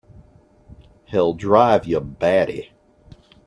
He'll drive you batty!